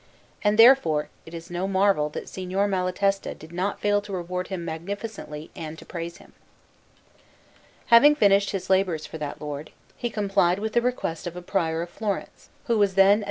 And therefore it is no marvel that Signor Malatesta did not fail to reward him magnificently and to praise him. Having finished his labours for that lord, he complied with the request of a Prior of Florence who was then at S.